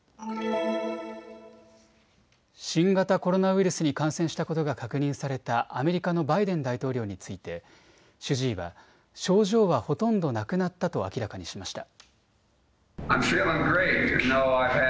新型コロナウイルスに感染したことが確認されたアメリカのバイデン大統領について主治医は症状はほとんどなくなったと明らかにしました。